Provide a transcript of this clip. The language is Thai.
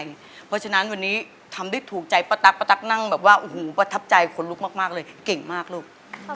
เพราะฉะนั้นวันนี้ทำได้ถูกใจป้าตั๊กป้าตั๊กนั่งแบบว่าโอ้โหประทับใจคนลุกมากเลยเก่งมากลูก